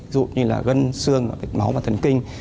dù như là gân xương bệnh máu và thần kinh